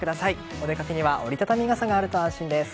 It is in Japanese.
お出かけには折り畳み傘があると安心です。